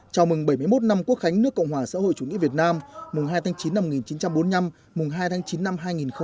chào mừng bảy mươi một năm quốc khánh nước cộng hòa xã hội chủ nghĩa việt nam mùng hai tháng chín năm một nghìn chín trăm bốn mươi năm mùng hai tháng chín năm hai nghìn hai mươi